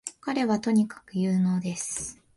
彼はとにかく有能です